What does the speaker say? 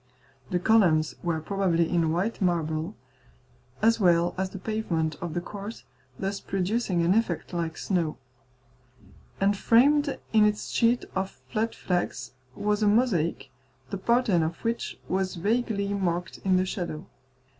The columns were probably in white marble, as well as the pavement of the court, thus producing an effect like snow; and framed in its sheet of flat flags was a mosaic, the pattern of which was vaguely marked in the shadow.